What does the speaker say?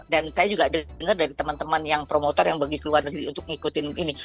dan saya juga dengar dari teman teman yang promotor yang bagi ke luar negeri untuk ngikutin ini